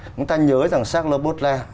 chúng ta nhớ rằng charles baudelaire